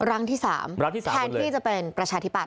ครั้งที่๓แทนที่จะเป็นประชาธิปัต